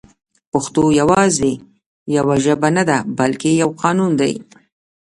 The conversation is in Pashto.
پښتو يوازې يوه ژبه نه ده بلکې يو قانون دی